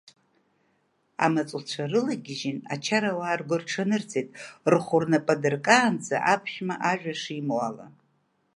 Амаҵуцәа рылагьежьын, ачарауаа ргәырҽанырҵеит рхәы рнапы адыркаанӡа аԥшәма ажәа шимоу ала.